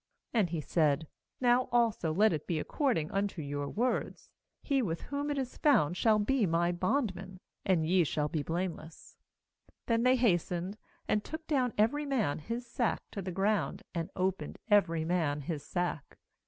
10And he said: 'Now also let it be according unto your words: he with whom it is found shall be my bond man; and ye shall be blameless/ "Then they hastened, and took down every man his sack to the ground, and opened every man his sack.